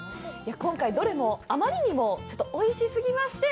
今回どれもあまりにもおいしすぎまして、